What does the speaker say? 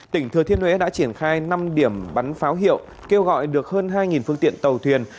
tỉnh thừa thiên huế đã triển khai năm điểm bắn pháo hiệu kêu gọi được hơn hai phương tiện tàu thuyền